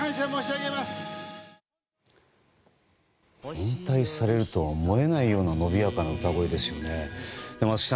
引退されるとは思えないような伸びやかな歌声ですよね。